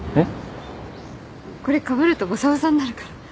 これかぶるとボサボサになるから。